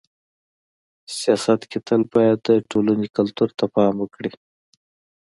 سیاست کي تل باید د ټولني کلتور ته پام وکړي.